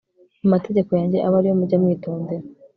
amategeko yanjye abe ari yo mujya mwitondera